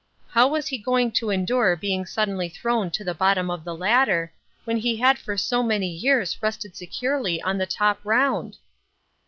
How was he going to endure being suddenly thrown to the bottom of the ladder, when he had for so many years rested securely on the top round